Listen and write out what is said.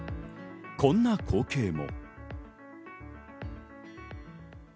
こんな光景も。